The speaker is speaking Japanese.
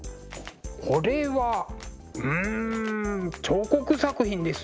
これはうん彫刻作品ですね。